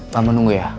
lama nunggu ya